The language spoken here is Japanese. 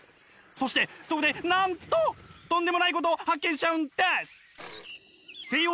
そしてそこでなんととんでもないことを発見しちゃうんです！